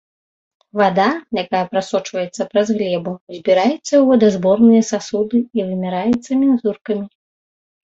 Вада, якая прасочваецца праз глебу, збіраецца ў водазаборныя сасуды і вымяраецца мензуркамі.